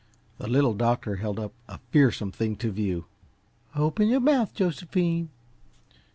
The Little Doctor held up a fearsome thing to view. "Open your mouth, Josephine."